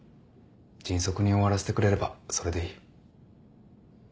迅速に終わらせてくれればそれでいい。